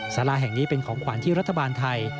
สาราแห่งนี้เป็นของขวัญที่รัฐบาลไทย